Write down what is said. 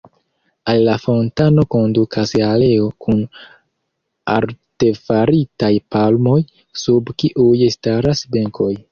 Al la fontano kondukas aleo kun artefaritaj palmoj, sub kiuj staras benkoj.